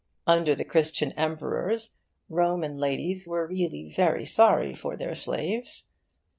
Under the Christian Emperors, Roman ladies were really very sorry for their slaves.